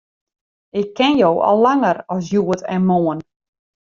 Ik ken jo al langer as hjoed en moarn.